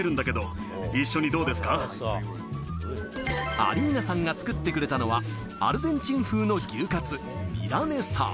アリーナさんが作ってくれたのはアルゼンチン風の牛カツ、ミラネサ。